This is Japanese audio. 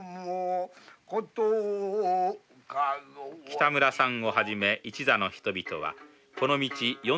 北村さんをはじめ一座の人々はこの道